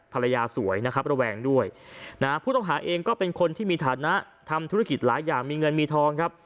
ภรรยาสวยนะครับระแวงด้วยนะฮะผู้ต้องหาเองก็เป็นคนที่มีฐานะทำธุรกิจหลายอย่างมีเงินมีทองครับ